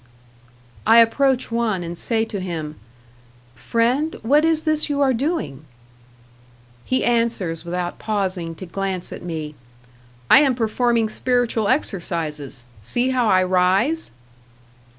I approach one and say to him, "Friend, what is this you are doing?" He answers, without pausing to glance at me, "I am performing spiritual exercises. See how I rise?"